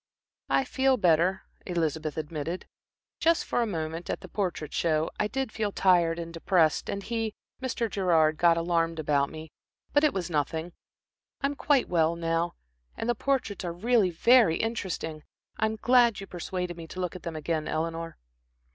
"I feel better," Elizabeth admitted. "Just for a moment, at the Portrait Show, I did feel tired and depressed, and he Mr. Gerard got alarmed about me, but it was nothing. I am quite well now. And the portraits are really very interesting. I am glad you persuaded me to look at them again, Eleanor."